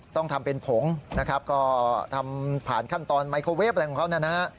ต้องทำเป็นผงนะครับก็ทำผ่านขั้นตอนไมโครเวฟอะไรของเขานะฮะ